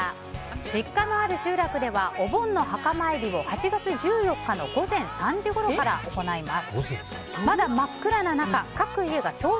実家のある集落ではお盆の墓参りを８月１４日の午前３時ごろから行います。